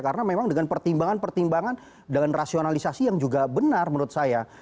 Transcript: karena memang dengan pertimbangan pertimbangan dengan rasionalisasi yang juga benar menurut saya